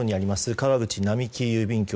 川口並木郵便局。